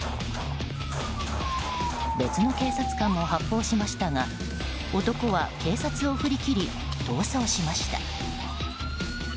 別の警察官も発砲しましたが男は警察を振り切り逃走しました。